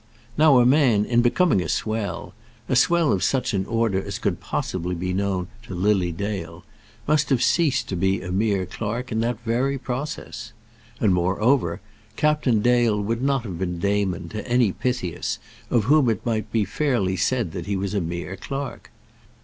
Now a man in becoming a swell, a swell of such an order as could possibly be known to Lily Dale, must have ceased to be a mere clerk in that very process. And, moreover, Captain Dale would not have been Damon to any Pythias, of whom it might fairly be said that he was a mere clerk.